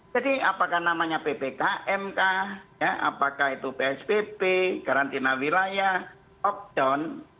jadi apakah namanya ppk mk apakah itu psbb garantina wilayah lockdown